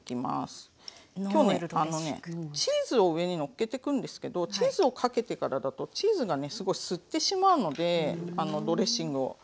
きょうねチーズを上にのっけてくんですけどチーズをかけてからだとチーズがすごい吸ってしまうのでドレッシングを。